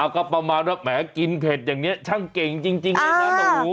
ก็ประมาณว่าแหมกินเผ็ดอย่างนี้ช่างเก่งจริงเลยนะ